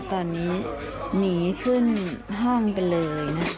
ตอนนี้หนีขึ้นห้องไปเลยนะ